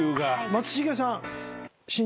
松重さん。